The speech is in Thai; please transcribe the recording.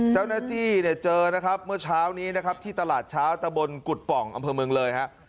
เจ้าหน้าที่เนี่ยเจอนะครับเมื่อเช้านี้นะครับที่ตลาดเช้าตะบนกุฎป่องอำเภอเมืองเลยฮะ